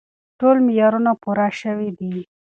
ټول معیارونه پوره شوي دي.